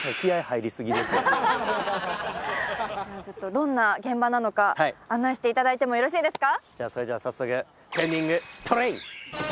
どんな現場なのか案内していただいてもよろしいですか？